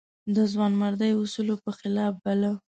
د ځوانمردۍ اصولو په خلاف باله.